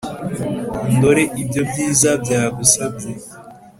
ndore ibyo byiza byagusabye »